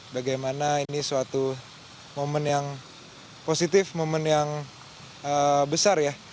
bagaimana ini suatu momen yang positif momen yang besar ya